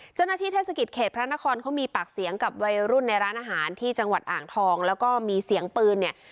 เจ้าหน้าที่เทศกิจเขตพระนครเขามีปากเสียงกับวัยรุ่นในร้านอาหารที่จังหวัดอ่างทองแล้วก็มีเสียงปืนเนี่ย